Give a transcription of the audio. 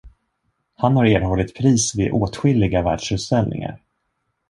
Han har erhållit pris vid åtskilliga världsutställningar.